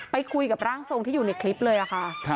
ไปคุยกับร่างทรงที่อยู่ในคลิปเลยค่ะ